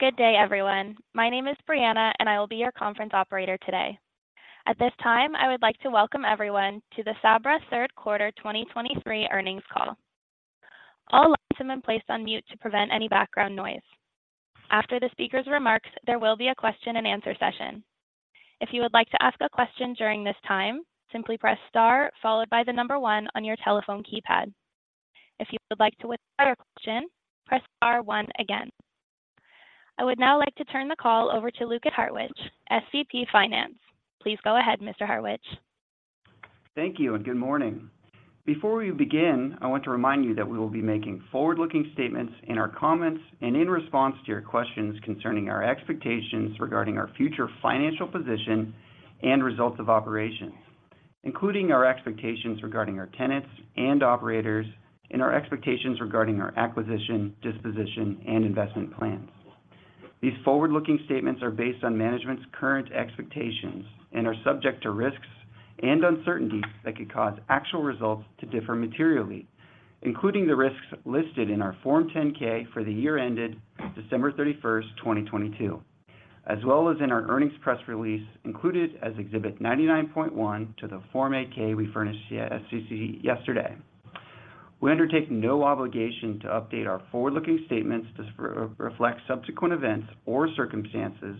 Good day, everyone. My name is Brianna, and I will be your conference operator today. At this time, I would like to welcome everyone to the Sabra Third Quarter 2023 Earnings Call. All lines have been placed on mute to prevent any background noise. After the speaker's remarks, there will be a question-and-answer session. If you would like to ask a question during this time, simply press star followed by the number one on your telephone keypad. If you would like to withdraw your question, press star one again. I would now like to turn the call over to Lukas Hartwich, EVP Finance. Please go ahead, Mr. Hartwich. Thank you, and good morning. Before we begin, I want to remind you that we will be making forward-looking statements in our comments and in response to your questions concerning our expectations regarding our future financial position and results of operations, including our expectations regarding our tenants and operators, and our expectations regarding our acquisition, disposition, and investment plans. These forward-looking statements are based on management's current expectations and are subject to risks and uncertainties that could cause actual results to differ materially, including the risks listed in our Form 10-K for the year ended December 31, 2022, as well as in our earnings press release, included as Exhibit 99.1 to the Form 8-K we furnished to the SEC yesterday. We undertake no obligation to update our forward-looking statements to reflect subsequent events or circumstances,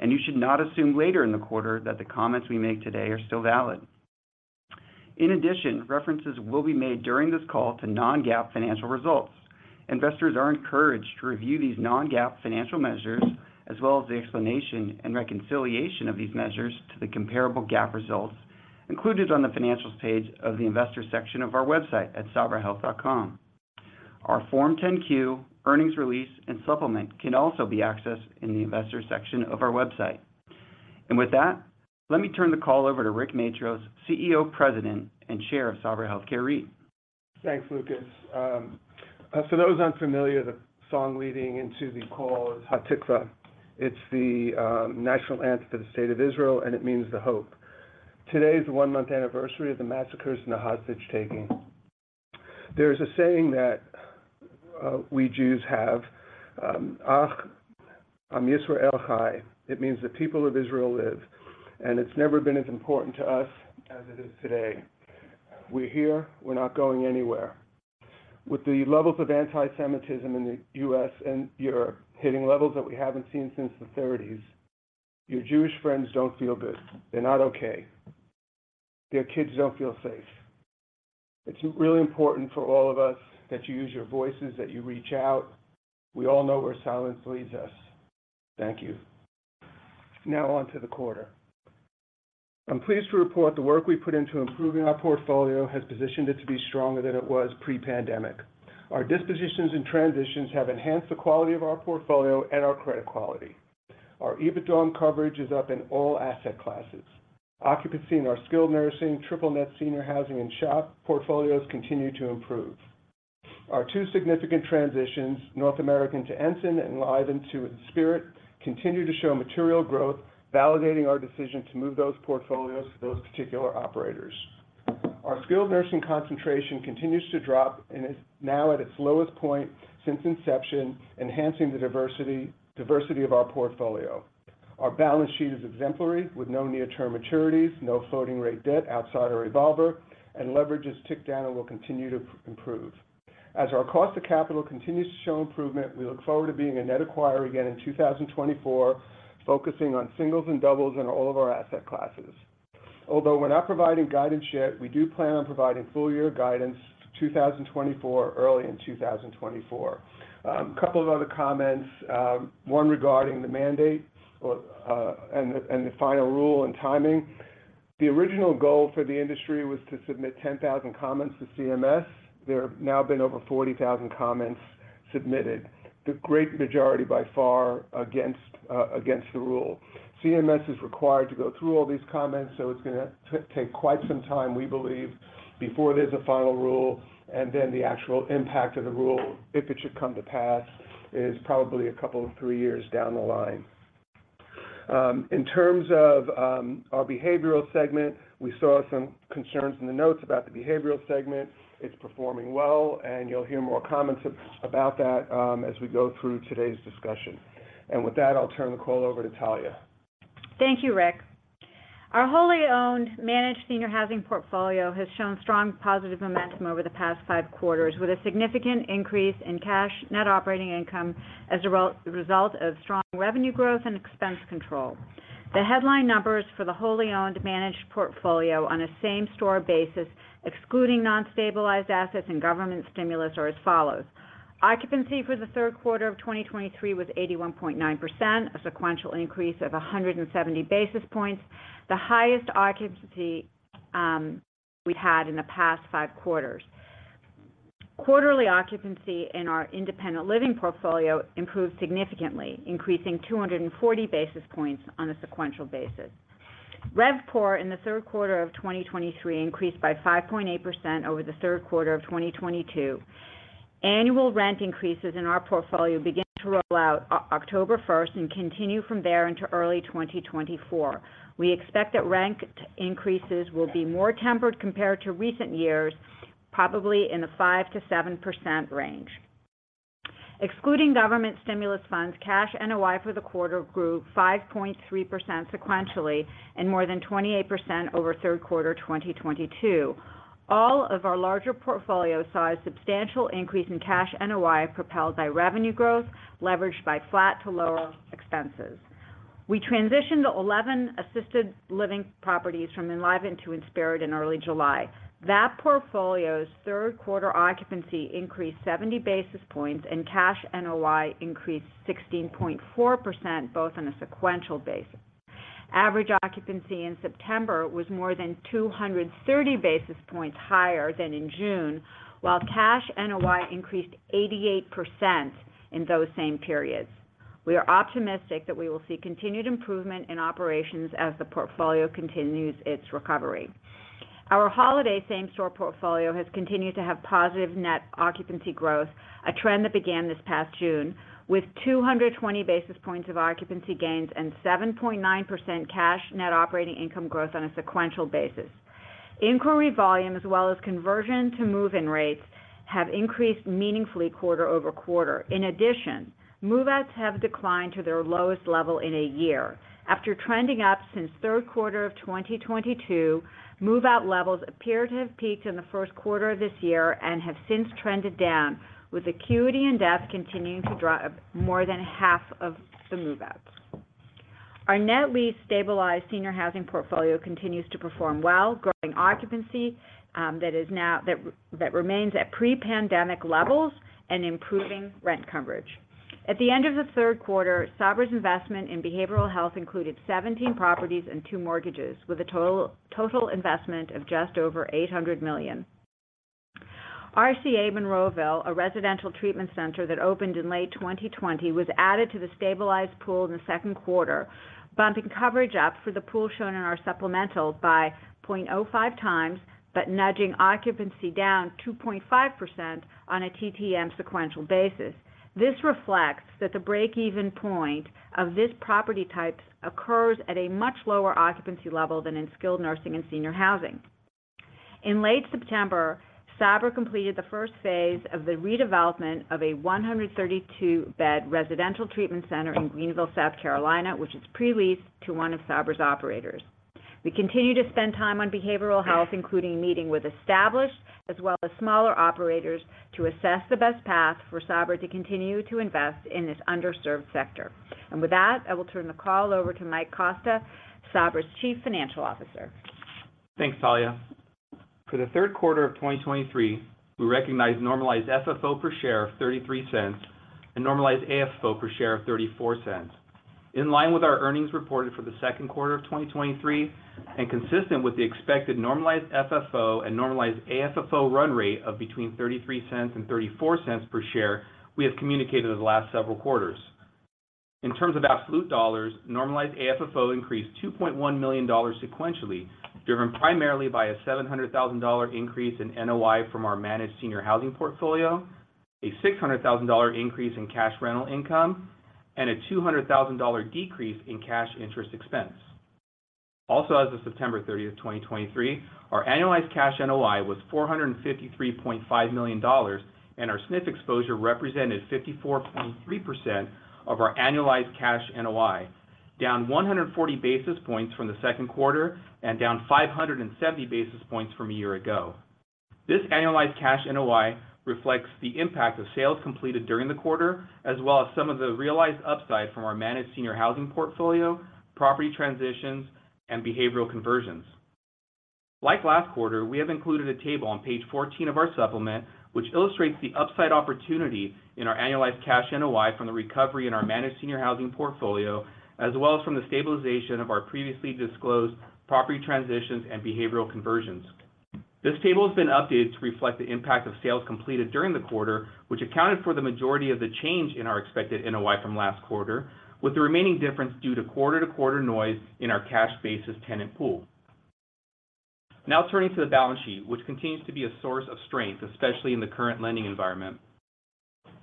and you should not assume later in the quarter that the comments we make today are still valid. In addition, references will be made during this call to non-GAAP financial results. Investors are encouraged to review these non-GAAP financial measures, as well as the explanation and reconciliation of these measures to the comparable GAAP results included on the financials page of the Investor section of our website at sabrahealth.com. Our Form 10-Q, earnings release, and supplement can also be accessed in the Investor section of our website. And with that, let me turn the call over to Rick Matros, CEO, President, and Chair of Sabra Health Care REIT. Thanks, Lukas. For those unfamiliar, the song leading into the call is Hatikvah. It's the national anthem for the State of Israel, and it means the hope. Today is the one-month anniversary of the massacres and the hostage-taking. There is a saying that we Jews have, Ach, Am Yisrael Chai. It means the people of Israel live, and it's never been as important to us as it is today. We're here, we're not going anywhere. With the levels of antisemitism in the U.S. and Europe hitting levels that we haven't seen since the '30s, your Jewish friends don't feel good. They're not okay. Their kids don't feel safe. It's really important for all of us that you use your voices, that you reach out. We all know where silence leads us. Thank you. Now on to the quarter. I'm pleased to report the work we put into improving our portfolio has positioned it to be stronger than it was pre-pandemic. Our dispositions and transitions have enhanced the quality of our portfolio and our credit quality. Our EBITDA coverage is up in all asset classes. Occupancy in our skilled nursing, triple net senior housing and SHOP portfolios continue to improve. Our two significant transitions, North American to Ensign and Enlivant to Inspirit, continue to show material growth, validating our decision to move those portfolios to those particular operators. Our skilled nursing concentration continues to drop and is now at its lowest point since inception, enhancing the diversity, diversity of our portfolio. Our balance sheet is exemplary, with no near-term maturities, no floating rate debt outside our revolver, and leverage has ticked down and will continue to improve. As our cost of capital continues to show improvement, we look forward to being a net acquirer again in 2024, focusing on singles and doubles in all of our asset classes. Although we're not providing guidance yet, we do plan on providing full year guidance 2024, early in 2024. A couple of other comments, one regarding the mandate and the final rule and timing. The original goal for the industry was to submit 10,000 comments to CMS. There have now been over 40,000 comments submitted, the great majority by far against the rule. CMS is required to go through all these comments, so it's going to take quite some time, we believe, before there's a final rule, and then the actual impact of the rule, if it should come to pass, is probably a couple of three years down the line. In terms of our behavioral segment, we saw some concerns in the notes about the behavioral segment. It's performing well, and you'll hear more comments about that, as we go through today's discussion. With that, I'll turn the call over to Talya. Thank you, Rick. Our wholly owned, managed senior housing portfolio has shown strong positive momentum over the past 5 quarters, with a significant increase in cash net operating income as a result of strong revenue growth and expense control. The headline numbers for the wholly owned managed portfolio on a same-store basis, excluding non-stabilized assets and government stimulus, are as follows: Occupancy for the third quarter of 2023 was 81.9%, a sequential increase of 170 basis points, the highest occupancy we've had in the past 5 quarters. Quarterly occupancy in our independent living portfolio improved significantly, increasing 240 basis points on a sequential basis. RevPOR in the third quarter of 2023 increased by 5.8% over the third quarter of 2022. Annual rent increases in our portfolio began to roll out October first and continue from there into early 2024. We expect that rent increases will be more tempered compared to recent years. Probably in the 5%-7% range. Excluding government stimulus funds, cash NOI for the quarter grew 5.3% sequentially, and more than 28% over third quarter 2022. All of our larger portfolio saw a substantial increase in cash NOI, propelled by revenue growth, leveraged by flat to lower expenses. We transitioned to 11 assisted living properties from Enlivant to Inspirit in early July. That portfolio's third quarter occupancy increased 70 basis points, and cash NOI increased 16.4%, both on a sequential basis. Average occupancy in September was more than 230 basis points higher than in June, while cash NOI increased 88% in those same periods. We are optimistic that we will see continued improvement in operations as the portfolio continues its recovery. Our Holiday same-store portfolio has continued to have positive net occupancy growth, a trend that began this past June, with 220 basis points of occupancy gains and 7.9% cash net operating income growth on a sequential basis. Inquiry volume, as well as conversion to move-in rates, have increased meaningfully quarter over quarter. In addition, move-outs have declined to their lowest level in a year. After trending up since third quarter of 2022, move-out levels appear to have peaked in the first quarter of this year and have since trended down, with acuity and death continuing to drive more than half of the move-outs. Our net lease stabilized senior housing portfolio continues to perform well, growing occupancy that now remains at pre-pandemic levels and improving rent coverage. At the end of the third quarter, Sabra's investment in behavioral health included 17 properties and 2 mortgages, with a total investment of just over $800 million. RCA Monroeville, a residential treatment center that opened in late 2020, was added to the stabilized pool in the second quarter, bumping coverage up for the pool shown in our supplemental by 0.05 times, but nudging occupancy down 2.5% on a TTM sequential basis. This reflects that the break-even point of this property type occurs at a much lower occupancy level than in skilled nursing and senior housing. In late September, Sabra completed the first phase of the redevelopment of a 132-bed residential treatment center in Greenville, South Carolina, which is pre-leased to one of Sabra's operators. We continue to spend time on behavioral health, including meeting with established as well as smaller operators, to assess the best path for Sabra to continue to invest in this underserved sector. With that, I will turn the call over to Mike Costa, Sabra's Chief Financial Officer. Thanks, Talya. For the third quarter of 2023, we recognized normalized FFO per share of $0.33 and normalized AFFO per share of $0.34. In line with our earnings reported for the second quarter of 2023, and consistent with the expected normalized FFO and normalized AFFO run rate of between $0.33 and $0.34 per share, we have communicated over the last several quarters. In terms of absolute dollars, normalized AFFO increased $2.1 million sequentially, driven primarily by a $700,000 increase in NOI from our managed senior housing portfolio, a $600,000 increase in cash rental income, and a $200,000 decrease in cash interest expense. Also, as of September 30, 2023, our annualized cash NOI was $453.5 million, and our SNF exposure represented 54.3% of our annualized cash NOI, down 140 basis points from the second quarter and down 570 basis points from a year ago. This annualized cash NOI reflects the impact of sales completed during the quarter, as well as some of the realized upside from our managed senior housing portfolio, property transitions, and behavioral conversions. Like last quarter, we have included a table on page 14 of our supplement, which illustrates the upside opportunity in our annualized cash NOI from the recovery in our managed senior housing portfolio, as well as from the stabilization of our previously disclosed property transitions and behavioral conversions. This table has been updated to reflect the impact of sales completed during the quarter, which accounted for the majority of the change in our expected NOI from last quarter, with the remaining difference due to quarter-to-quarter noise in our cash basis tenant pool. Now turning to the balance sheet, which continues to be a source of strength, especially in the current lending environment.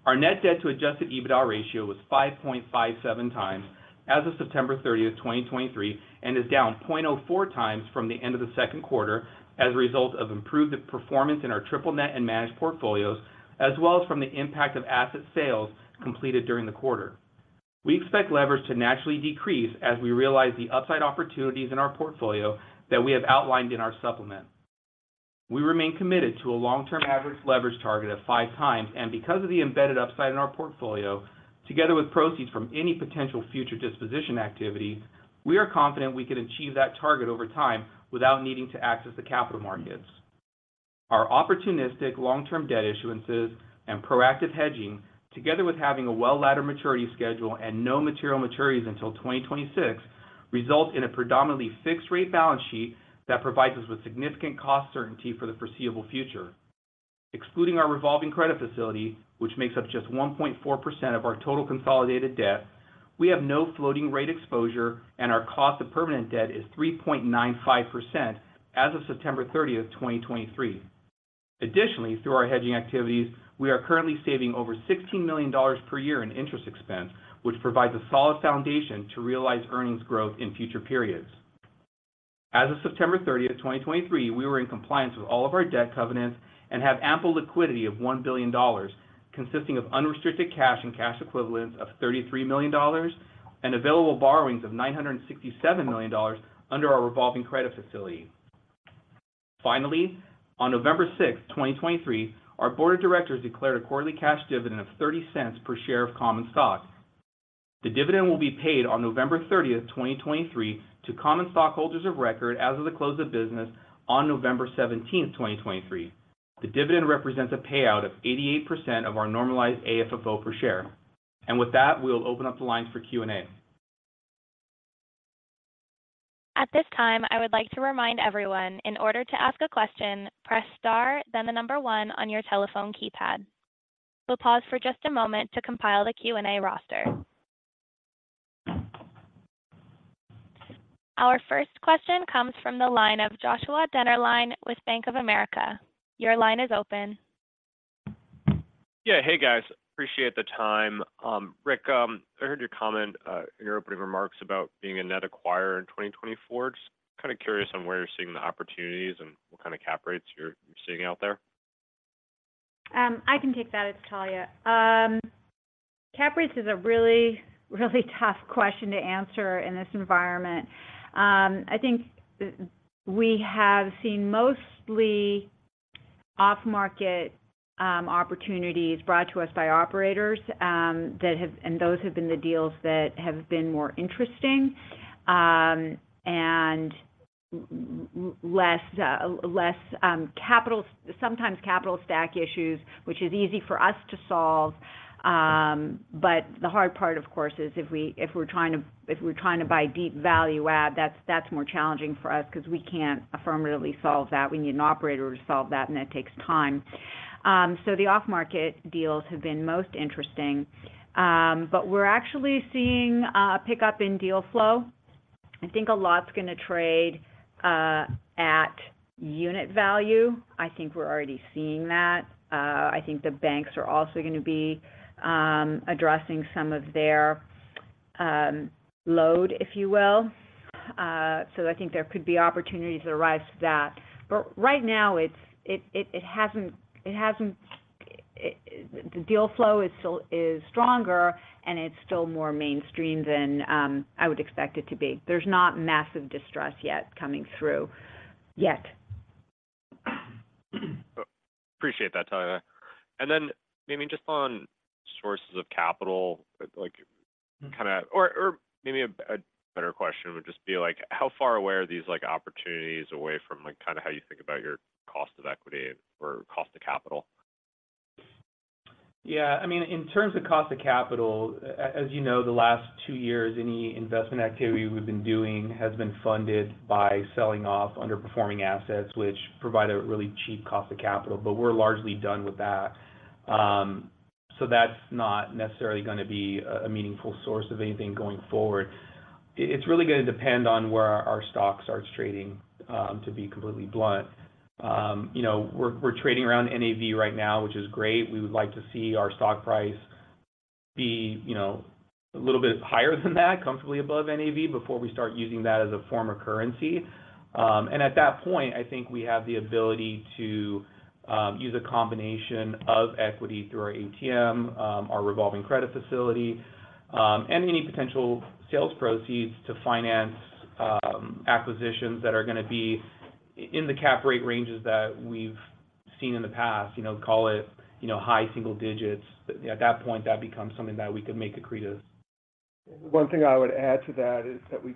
Our net debt to adjusted EBITDA ratio was 5.57 times as of September thirtieth, 2023, and is down 0.04 times from the end of the second quarter as a result of improved performance in our triple net and managed portfolios, as well as from the impact of asset sales completed during the quarter. We expect leverage to naturally decrease as we realize the upside opportunities in our portfolio that we have outlined in our supplement. We remain committed to a long-term average leverage target of 5x, and because of the embedded upside in our portfolio, together with proceeds from any potential future disposition activity, we are confident we can achieve that target over time without needing to access the capital markets. Our opportunistic long-term debt issuances and proactive hedging, together with having a well-laddered maturity schedule and no material maturities until 2026, results in a predominantly fixed rate balance sheet that provides us with significant cost certainty for the foreseeable future. Excluding our revolving credit facility, which makes up just 1.4% of our total consolidated debt, we have no floating rate exposure, and our cost of permanent debt is 3.95% as of September 30, 2023. Additionally, through our hedging activities, we are currently saving over $16 million per year in interest expense, which provides a solid foundation to realize earnings growth in future periods. As of September 30, 2023, we were in compliance with all of our debt covenants and have ample liquidity of $1 billion, consisting of unrestricted cash and cash equivalents of $33 million and available borrowings of $967 million under our revolving credit facility. Finally, on November 6, 2023, our board of directors declared a quarterly cash dividend of $0.30 per share of common stock. The dividend will be paid on November 30, 2023, to common stockholders of record as of the close of business on November 17, 2023. The dividend represents a payout of 88% of our normalized AFFO per share. With that, we'll open up the lines for Q&A. At this time, I would like to remind everyone, in order to ask a question, press Star, then the number One on your telephone keypad. We'll pause for just a moment to compile the Q&A roster. Our first question comes from the line of Joshua Dennerlein with Bank of America. Your line is open. Yeah. Hey, guys, appreciate the time. Rick, I heard your comment in your opening remarks about being a net acquirer in 2024. Just kind of curious on where you're seeing the opportunities and what kind of cap rates you're seeing out there. I can take that. It's Talya. Cap rates is a really, really tough question to answer in this environment. I think we have seen mostly off-market opportunities brought to us by operators, and those have been the deals that have been more interesting, and less capital - sometimes capital stack issues, which is easy for us to solve. But the hard part, of course, is if we're trying to buy deep value add, that's more challenging for us because we can't affirmatively solve that. We need an operator to solve that, and that takes time. So the off-market deals have been most interesting. But we're actually seeing a pickup in deal flow. I think a lot's going to trade at unit value. I think we're already seeing that. I think the banks are also going to be addressing some of their load, if you will. So I think there could be opportunities that arise to that. But right now, it hasn't – the deal flow is still stronger, and it's still more mainstream than I would expect it to be. There's not massive distress yet coming through yet. Appreciate that, Talya. And then maybe just on sources of capital, like, kind of... Or, or maybe a, a better question would just be, like, how far away are these opportunities away from, like, kind of how you think about your cost of equity or cost of capital? Yeah, I mean, in terms of cost of capital, as you know, the last two years, any investment activity we've been doing has been funded by selling off underperforming assets, which provide a really cheap cost of capital, but we're largely done with that. So that's not necessarily going to be a meaningful source of anything going forward. It's really going to depend on where our stock starts trading, to be completely blunt. You know, we're trading around NAV right now, which is great. We would like to see our stock price be, you know, a little bit higher than that, comfortably above NAV, before we start using that as a form of currency. At that point, I think we have the ability to use a combination of equity through our ATM, our revolving credit facility, and any potential sales proceeds to finance acquisitions that are going to be in the cap rate ranges that we've seen in the past. You know, call it, you know, high single digits. At that point, that becomes something that we could make accretive. One thing I would add to that is that we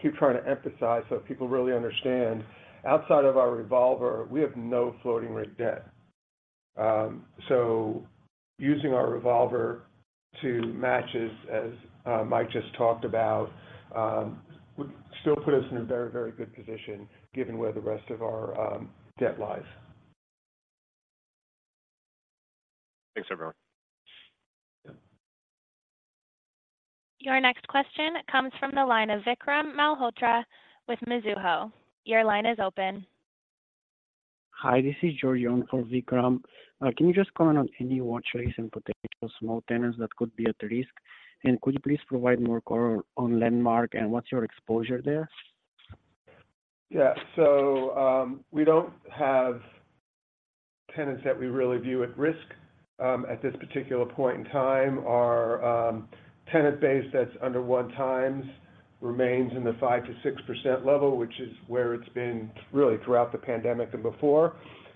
keep trying to emphasize, so people really understand, outside of our revolver, we have no floating rate debt. So using our revolver to match as Mike just talked about would still put us in a very, very good position given where the rest of our debt lies. Thanks, everyone. Your next question comes from the line of Vikram Malhotra with Mizuho. Your line is open. Hi, this is George Yong for Vikram. Can you just comment on any watch rates and potential small tenants that could be at risk? And could you please provide more color on Landmark and what's your exposure there? Yeah. So, we don't have tenants that we really view at risk at this particular point in time. Our tenant base that's under one times remains in the 5%-6% level, which is where it's been really throughout the pandemic and before.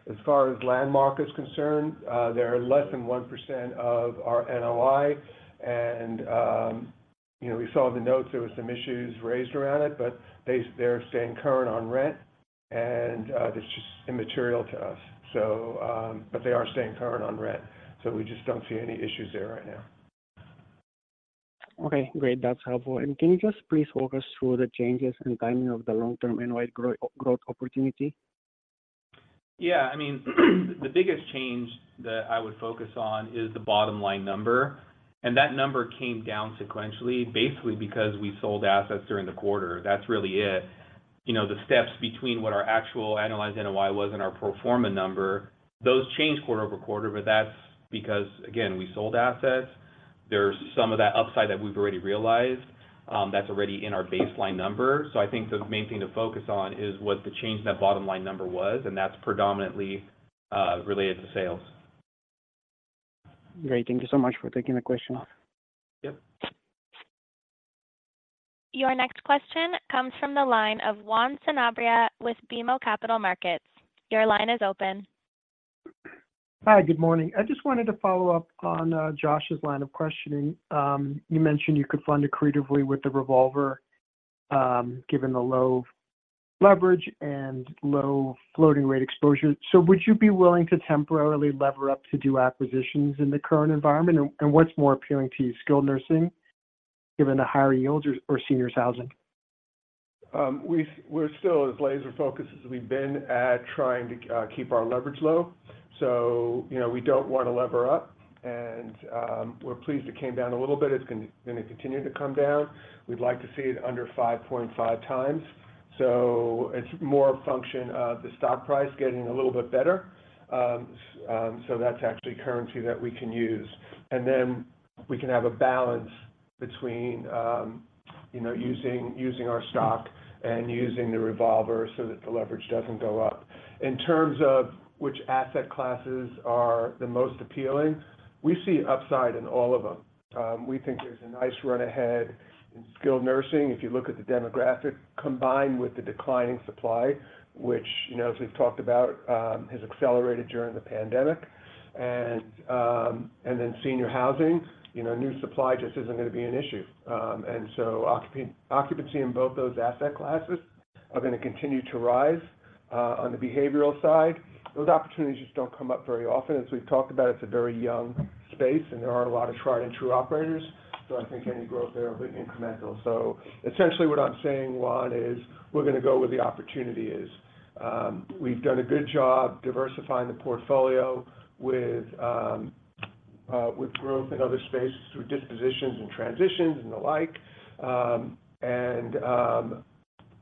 As far as Landmark is concerned, there are less than 1% of our NOI, and you know, we saw the notes, there were some issues raised around it, but they, they're staying current on rent, and that's just immaterial to us. So, but they are staying current on rent, so we just don't see any issues there right now. Okay, great. That's helpful. Can you just please walk us through the changes and timing of the long-term NOI growth opportunity? Yeah. I mean, the biggest change that I would focus on is the bottom line number, and that number came down sequentially, basically because we sold assets during the quarter. That's really it. You know, the steps between what our actual analyzed NOI was and our pro forma number, those changed quarter over quarter, but that's because, again, we sold assets. There's some of that upside that we've already realized, that's already in our baseline number. So I think the main thing to focus on is what the change in that bottom line number was, and that's predominantly-... related to sales. Great. Thank you so much for taking the question off. Yep. Your next question comes from the line of Juan Sanabria with BMO Capital Markets. Your line is open. Hi, good morning. I just wanted to follow up on Josh's line of questioning. You mentioned you could fund it creatively with the revolver, given the low leverage and low floating rate exposure. So would you be willing to temporarily lever up to do acquisitions in the current environment? And what's more appealing to you, skilled nursing, given the higher yields, or seniors housing? We're still as laser focused as we've been at trying to keep our leverage low. So, you know, we don't want to lever up, and we're pleased it came down a little bit. It's gonna continue to come down. We'd like to see it under 5.5 times. So it's more a function of the stock price getting a little bit better. So that's actually currency that we can use. And then we can have a balance between, you know, using our stock and using the revolver so that the leverage doesn't go up. In terms of which asset classes are the most appealing, we see upside in all of them. We think there's a nice run ahead in skilled nursing. If you look at the demographic, combined with the declining supply, which, you know, as we've talked about, has accelerated during the pandemic. And then senior housing, you know, new supply just isn't gonna be an issue. And so occupancy in both those asset classes are gonna continue to rise. On the behavioral side, those opportunities just don't come up very often. As we've talked about, it's a very young space, and there aren't a lot of tried and true operators, so I think any growth there will be incremental. So essentially, what I'm saying, Juan, is we're gonna go where the opportunity is. We've done a good job diversifying the portfolio with growth in other spaces through dispositions and transitions and the like. And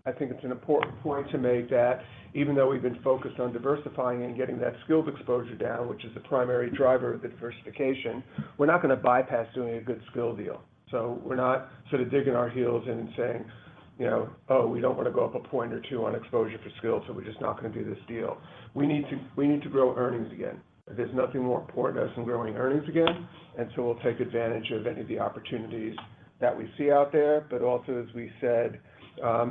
I think it's an important point to make that even though we've been focused on diversifying and getting that skilled exposure down, which is a primary driver of diversification, we're not gonna bypass doing a good skilled deal. So we're not sort of digging our heels in and saying, you know, "Oh, we don't wanna go up a point or two on exposure for skilled, so we're just not gonna do this deal." We need to, we need to grow earnings again. There's nothing more important to us than growing earnings again, and so we'll take advantage of any of the opportunities that we see out there. But also, as we said,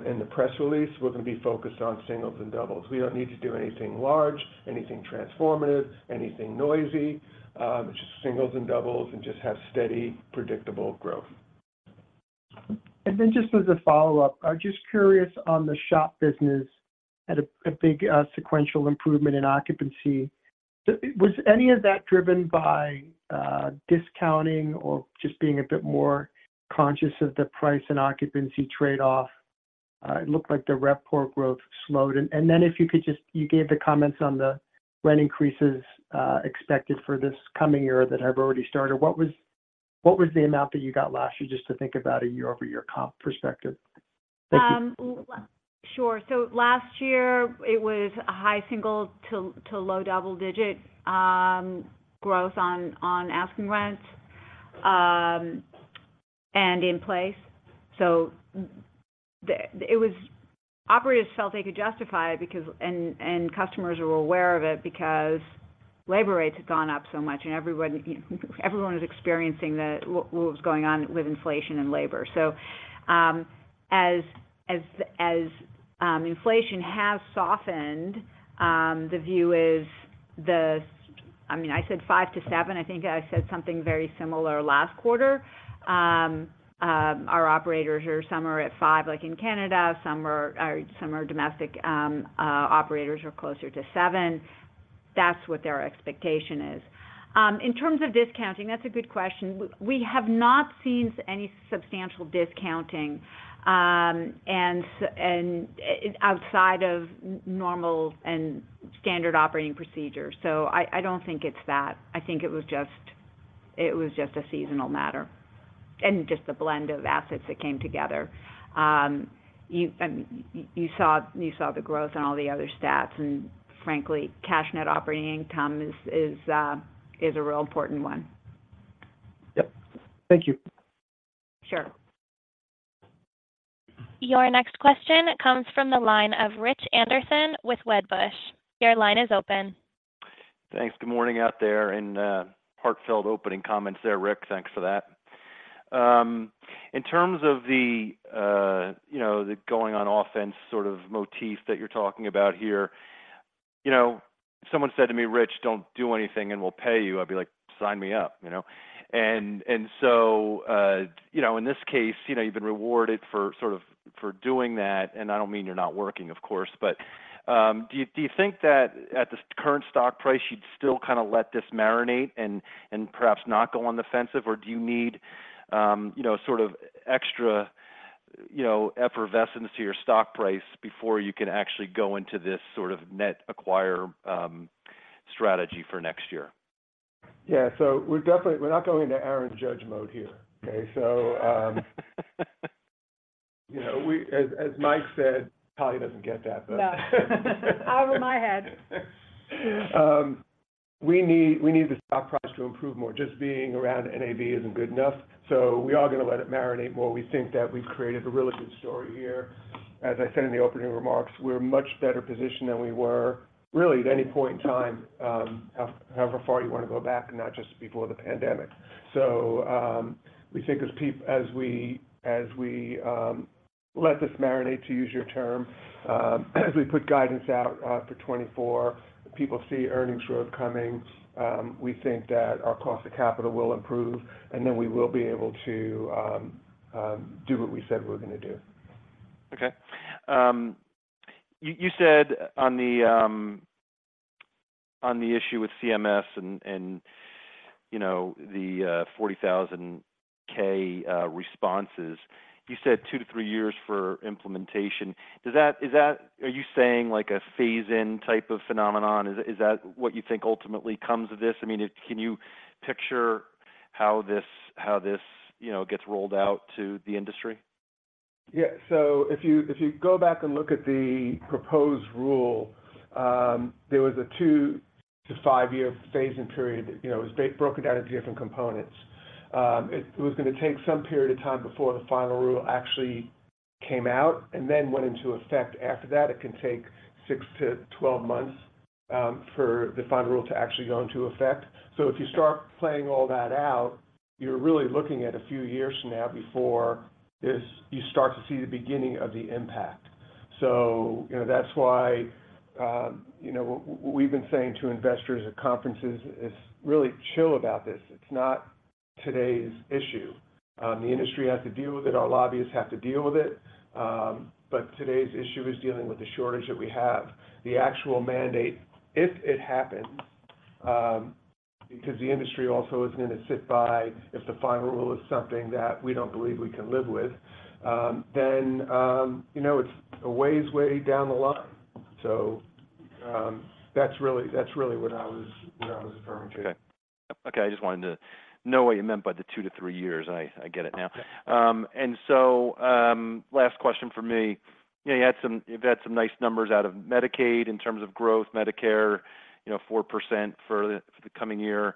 in the press release, we're gonna be focused on singles and doubles. We don't need to do anything large, anything transformative, anything noisy, just singles and doubles and just have steady, predictable growth. Then just as a follow-up, I'm just curious on the SHOP business; had a big sequential improvement in occupancy. So was any of that driven by discounting or just being a bit more conscious of the price and occupancy trade-off? It looked like the RevPOR growth slowed. And then if you could just—you gave the comments on the rent increases expected for this coming year that have already started. What was the amount that you got last year, just to think about a year-over-year comp perspective? Thank you. Well, sure. So last year it was a high single- to low double-digit growth on asking rents and in place. So the... operators felt they could justify it because customers are aware of it because labor rates have gone up so much, and everybody, everyone is experiencing what was going on with inflation and labor. So, as inflation has softened, the view is – I mean, I said 5-7. I think I said something very similar last quarter. Our operators here, some are at 5, like in Canada, some are domestic operators are closer to 7. That's what their expectation is. In terms of discounting, that's a good question. We have not seen any substantial discounting, and outside of normal and standard operating procedure. So I don't think it's that. I think it was just a seasonal matter and just the blend of assets that came together. You saw the growth in all the other stats, and frankly, cash net operating income is a real important one. Yep. Thank you. Sure. Your next question comes from the line of Rich Anderson with Wedbush. Your line is open. Thanks. Good morning out there, and, heartfelt opening comments there, Rick. Thanks for that. In terms of the, you know, the going on offense sort of motif that you're talking about here, you know, someone said to me, "Rich, don't do anything, and we'll pay you." I'd be like, "Sign me up," you know? And, and so, you know, in this case, you know, you've been rewarded for sort of for doing that, and I don't mean you're not working, of course, but, do you, do you think that at the current stock price, you'd still kind of let this marinate and, and perhaps not go on the offensive? Or do you need, you know, sort of extra, you know, effervescence to your stock price before you can actually go into this sort of net acquire, strategy for next year? Yeah. So we're definitely, we're not going into Aaron Judge mode here, okay? So, you know, we, as, as Mike said, Talya doesn't get that, but- No. Over my head. We need, we need the stock price to improve more. Just being around NAV isn't good enough, so we are gonna let it marinate more. We think that we've created a really good story here. As I said in the opening remarks, we're much better positioned than we were really at any point in time, however far you wanna go back, and not just before the pandemic. So, we think as we let this marinate, to use your term, as we put guidance out for 2024, people see earnings growth coming, we think that our cost of capital will improve, and then we will be able to do what we said we were gonna do. Okay. You, you said on the, on the issue with CMS and, and, you know, the 40,000 responses, you said 2-3 years for implementation. Does that, is that-- are you saying like a phase-in type of phenomenon? Is, is that what you think ultimately comes of this? I mean, can you picture how this, how this, you know, gets rolled out to the industry? Yeah. So if you, if you go back and look at the proposed rule, there was a 2-5-year phase-in period. You know, it was broken down into different components. It was gonna take some period of time before the final rule actually came out and then went into effect. After that, it can take 6-12 months for the final rule to actually go into effect. So if you start playing all that out, you're really looking at a few years from now before this, you start to see the beginning of the impact. So, you know, that's why, you know, we've been saying to investors at conferences is, really chill about this. It's not today's issue. The industry has to deal with it, our lobbyists have to deal with it, but today's issue is dealing with the shortage that we have. The actual mandate, if it happens, because the industry also isn't gonna sit by if the final rule is something that we don't believe we can live with, then, you know, it's a ways, way down the line. So, that's really, that's really what I was, what I was referring to. Okay. Okay, I just wanted to know what you meant by the 2-3 years. I, I get it now. Okay. So, last question from me. You know, you had some, you've had some nice numbers out of Medicaid in terms of growth, Medicare, you know, 4% for the coming year.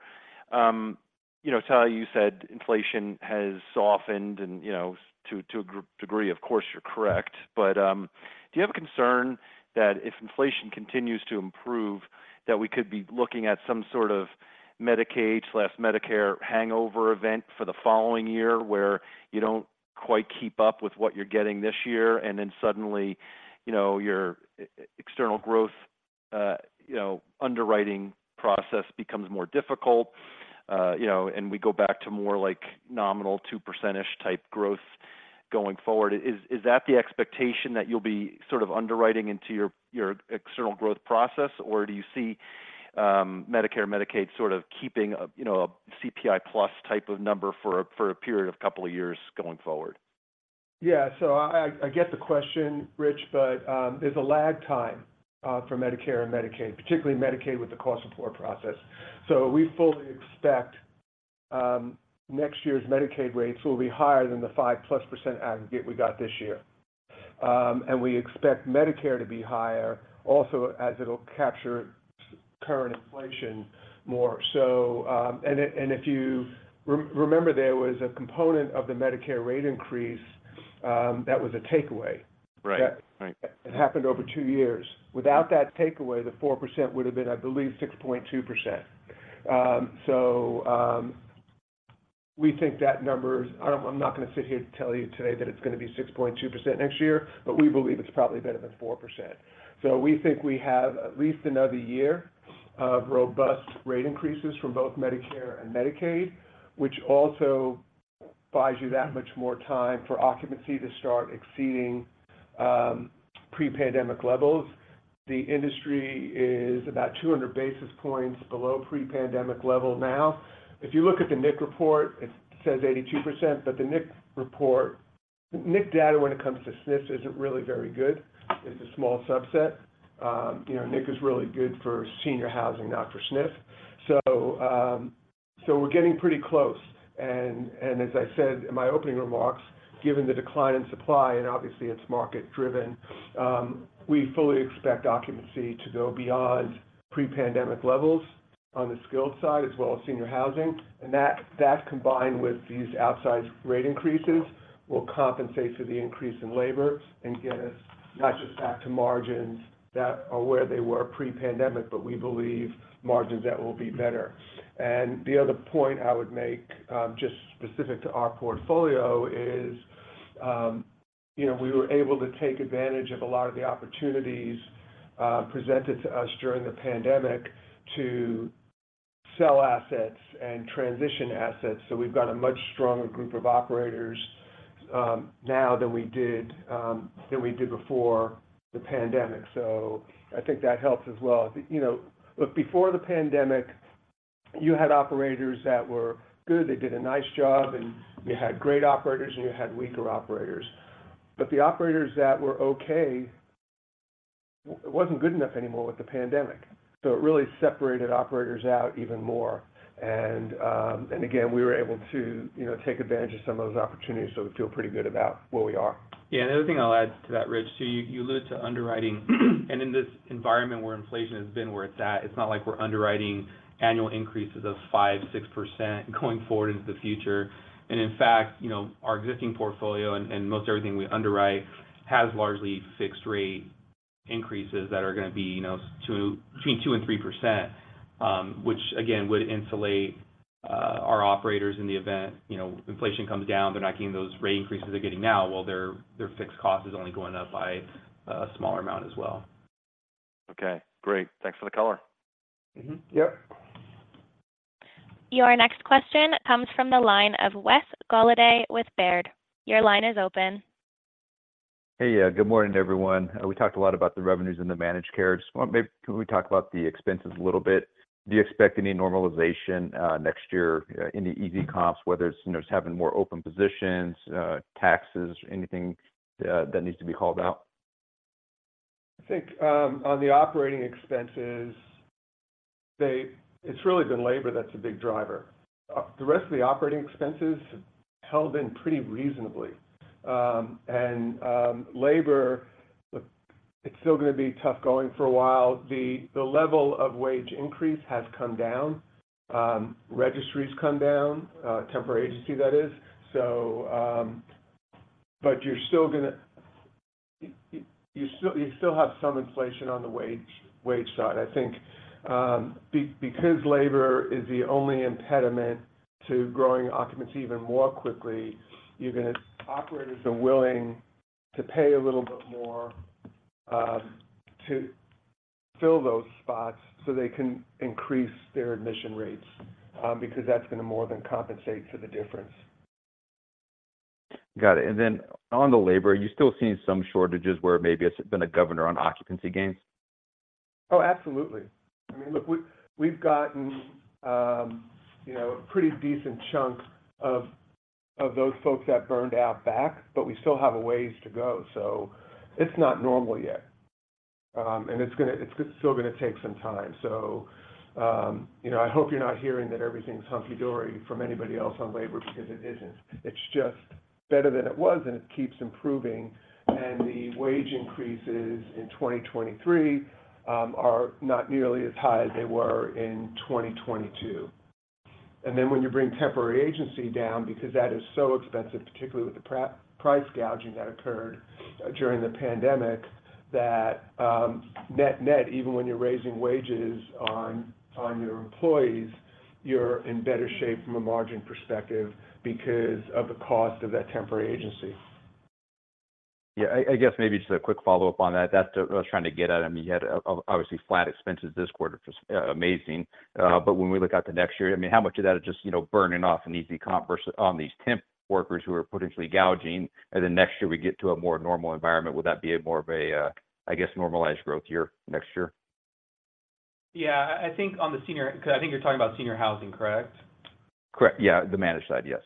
You know, Tyler, you said inflation has softened and, you know, to a degree, of course, you're correct. But, do you have a concern that if inflation continues to improve, that we could be looking at some sort of Medicaid/Medicare hangover event for the following year, where you don't quite keep up with what you're getting this year, and then suddenly, you know, your external growth, you know, underwriting process becomes more difficult, you know, and we go back to more like nominal 2% type growth going forward? Is that the expectation that you'll be sort of underwriting into your external growth process, or do you see Medicare, Medicaid sort of keeping a, you know, a CPI plus type of number for a period of couple of years going forward? Yeah. So I get the question, Rich, but there's a lag time for Medicare and Medicaid, particularly Medicaid, with the cost support process. So we fully expect next year's Medicaid rates will be higher than the 5%+ aggregate we got this year. And we expect Medicare to be higher also, as it'll capture current inflation more. So... And if you remember, there was a component of the Medicare rate increase that was a takeaway. Right. Right. It happened over 2 years. Without that takeaway, the 4% would have been, I believe, 6.2%. So, we think that number, I'm not gonna sit here to tell you today that it's gonna be 6.2% next year, but we believe it's probably better than 4%. So we think we have at least another year of robust rate increases from both Medicare and Medicaid, which also buys you that much more time for occupancy to start exceeding pre-pandemic levels. The industry is about 200 basis points below pre-pandemic level now. If you look at the NIC report, it says 82%, but the NIC report, NIC data, when it comes to SNFs, isn't really very good. It's a small subset. You know, NIC is really good for senior housing, not for SNF. So, we're getting pretty close and, as I said in my opening remarks, given the decline in supply, and obviously it's market-driven, we fully expect occupancy to go beyond pre-pandemic levels on the skilled side, as well as senior housing, and that combined with these outsized rate increases, will compensate for the increase in labor and get us not just back to margins that are where they were pre-pandemic, but we believe margins that will be better. And the other point I would make, just specific to our portfolio is, you know, we were able to take advantage of a lot of the opportunities presented to us during the pandemic to sell assets and transition assets. So we've got a much stronger group of operators, now than we did before the pandemic. So I think that helps as well. You know, look, before the pandemic, you had operators that were good, they did a nice job, and you had great operators, and you had weaker operators. But the operators that were okay. It wasn't good enough anymore with the pandemic. So it really separated operators out even more. And again, we were able to, you know, take advantage of some of those opportunities, so we feel pretty good about where we are. Yeah, and the other thing I'll add to that, Rich, so you, you alluded to underwriting. And in this environment where inflation has been where it's at, it's not like we're underwriting annual increases of 5%-6% going forward into the future. And in fact, you know, our existing portfolio and, and most everything we underwrite has largely fixed rate increases that are going to be, you know, between 2%-3%, which, again, would insulate our operators in the event, you know, inflation comes down, they're not getting those rate increases they're getting now, while their, their fixed cost is only going up by a smaller amount as well. Okay, great. Thanks for the color. Mm-hmm. Yep. Your next question comes from the line of Wes Golladay with Baird. Your line is open. Hey, yeah, good morning to everyone. We talked a lot about the revenues in the managed care. Just want maybe can we talk about the expenses a little bit? Do you expect any normalization, next year, any easy comps, whether it's, you know, just having more open positions, taxes, anything, that needs to be called out? I think, on the operating expenses, they—it's really been labor that's a big driver. The rest of the operating expenses have held in pretty reasonably. And, labor, look, it's still going to be tough going for a while. The level of wage increase has come down, registries come down, temporary agency, that is. So, but you're still gonna you still, you still have some inflation on the wage, wage side. I think, because labor is the only impediment to growing occupancy even more quickly, you're gonna operators are willing to pay a little bit more, to fill those spots so they can increase their admission rates, because that's going to more than compensate for the difference. Got it. And then on the labor, are you still seeing some shortages where maybe it's been a governor on occupancy gains? Oh, absolutely. I mean, look, we've gotten, you know, pretty decent chunks of those folks that burned out back, but we still have a ways to go. So it's not normal yet. And it's still gonna take some time. So, you know, I hope you're not hearing that everything's hunky dory from anybody else on labor, because it isn't. It's just better than it was, and it keeps improving. And the wage increases in 2023 are not nearly as high as they were in 2022. And then when you bring temporary agency down, because that is so expensive, particularly with the price gouging that occurred during the pandemic, that, net-net, even when you're raising wages on your employees, you're in better shape from a margin perspective because of the cost of that temporary agency. Yeah, I guess maybe just a quick follow-up on that. That's what I was trying to get at. I mean, you had obviously flat expenses this quarter, which was amazing. But when we look out to next year, I mean, how much of that is just, you know, burning off an easy comp versus on these temp workers who are potentially gouging, and then next year we get to a more normal environment? Would that be more of a, I guess, normalized growth year next year? Yeah. I, I think on the senior, because I think you're talking about senior housing, correct? Correct. Yeah. The managed side, yes.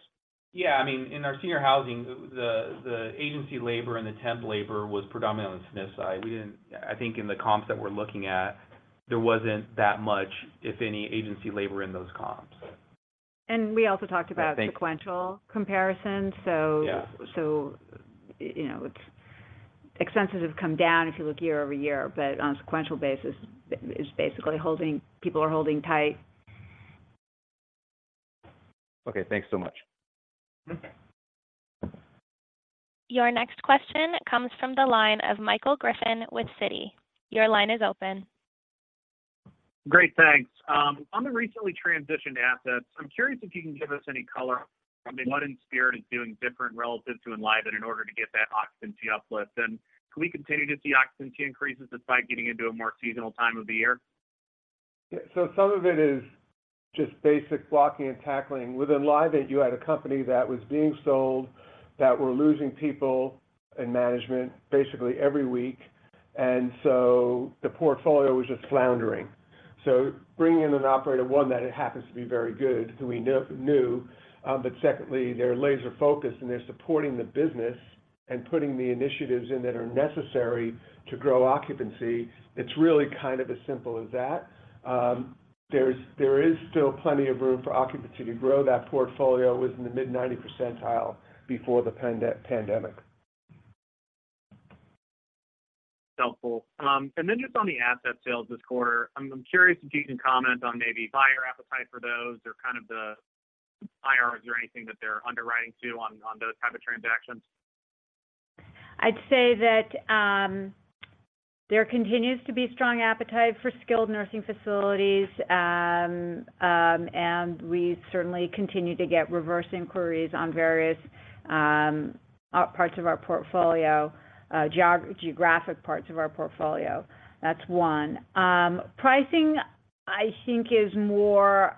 Yeah. I mean, in our senior housing, the agency labor and the temp labor was predominantly on the SNF side. We didn't. I think in the comps that we're looking at, there wasn't that much, if any, agency labor in those comps. We also talked about- I think-... sequential comparisons. So- Yeah... so, you know, it's expenses have come down if you look year-over-year, but on a sequential basis, it's basically holding, people are holding tight. Okay. Thanks so much. Mm-hmm. Your next question comes from the line of Michael Griffin with Citi. Your line is open. Great, thanks. On the recently transitioned assets, I'm curious if you can give us any color on what Inspirit is doing different relative to Enlivant in order to get that occupancy uplift? And can we continue to see occupancy increases despite getting into a more seasonal time of the year? Yeah. So some of it is just basic blocking and tackling. With Enlivant, you had a company that was being sold, that were losing people in management basically every week, and so the portfolio was just floundering. So bringing in an operator, one, that happens to be very good, who we knew, but secondly, they're laser focused, and they're supporting the business and putting the initiatives in that are necessary to grow occupancy. It's really kind of as simple as that. There is still plenty of room for occupancy to grow. That portfolio was in the mid-90 percentile before the pandemic. Helpful. And then just on the asset sales this quarter, I'm curious if you can comment on maybe buyer appetite for those or kind of the IRR, is there anything that they're underwriting to on those type of transactions? I'd say that there continues to be strong appetite for skilled nursing facilities, and we certainly continue to get reverse inquiries on various parts of our portfolio, geographic parts of our portfolio. That's one. Pricing, I think, is more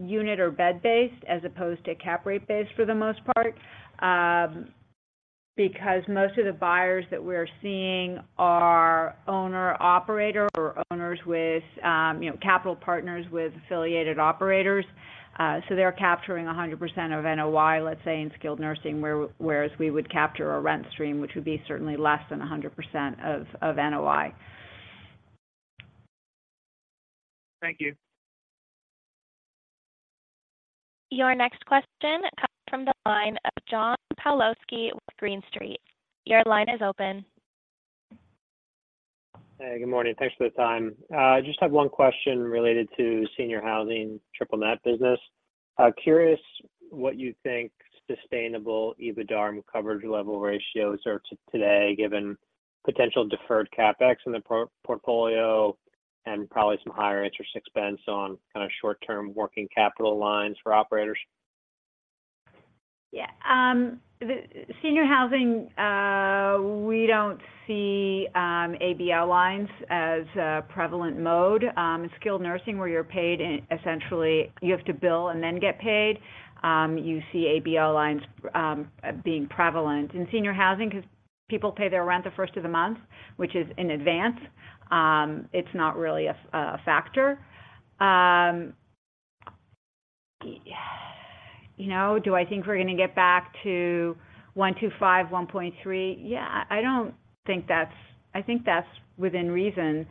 unit or bed-based as opposed to cap rate-based for the most part, because most of the buyers that we're seeing are owner-operator or owners with, you know, capital partners with affiliated operators. So they're capturing 100% of NOI, let's say, in skilled nursing, whereas we would capture a rent stream, which would be certainly less than 100% of NOI.... Thank you. Your next question comes from the line of John Pawlowski with Green Street. Your line is open. Hey, good morning. Thanks for the time. I just have one question related to senior housing triple-net business. Curious what you think sustainable EBITDA and coverage level ratios are today, given potential deferred CapEx in the portfolio and probably some higher interest expense on kind of short-term working capital lines for operators? Yeah, the senior housing, we don't see ABL lines as a prevalent mode. Skilled nursing, where you're paid, essentially, you have to bill and then get paid, you see ABL lines being prevalent. In senior housing, 'cause people pay their rent the first of the month, which is in advance, it's not really a factor. You know, do I think we're gonna get back to 1.5, 1.3? Yeah, I don't think that's... I think that's within reason.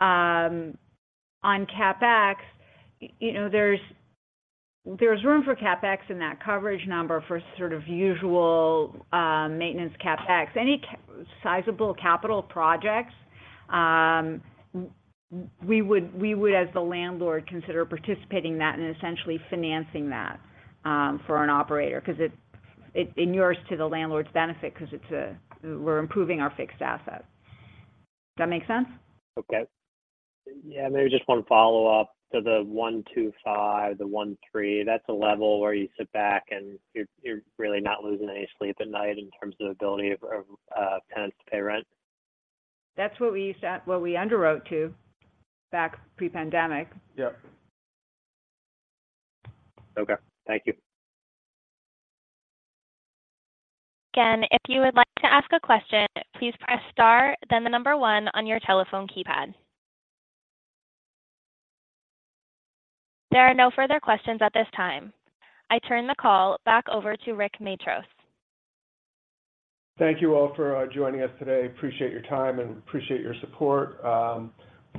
On CapEx, you know, there's room for CapEx in that coverage number for sort of usual maintenance CapEx. Any sizable capital projects, we would, we would, as the landlord, consider participating in that and essentially financing that, for an operator, 'cause it, it inures to the landlord's benefit 'cause it's, we're improving our fixed asset. Does that make sense? Okay. Yeah, maybe just one follow-up to the 1.05, the 1.3, that's a level where you sit back and you're really not losing any sleep at night in terms of the ability of tenants to pay rent? That's what we underwrote to back pre-pandemic. Yep. Okay. Thank you. Again, if you would like to ask a question, please press star, then the number one on your telephone keypad. There are no further questions at this time. I turn the call back over to Rick Matros. Thank you all for joining us today. Appreciate your time and appreciate your support.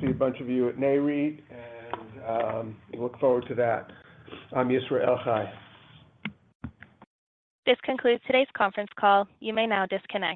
See a bunch of you at NAREIT, and look forward to that. Am Yisrael Chai. This concludes today's conference call. You may now disconnect.